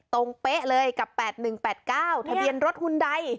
เป๊ะเลยกับ๘๑๘๙ทะเบียนรถหุ่นใด